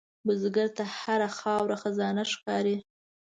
بزګر ته هره خاوره خزانه ښکاري